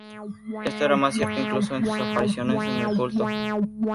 Esto era más cierto incluso en sus apariciones en el culto.